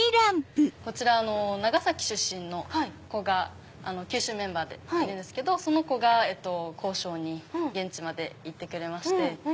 こちら長崎出身の子が九州メンバーでいるんですけどその子が交渉に現地まで行ってくれまして。